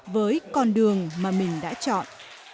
với con đường mà mình đã chọn